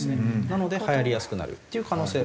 なのではやりやすくなるっていう可能性。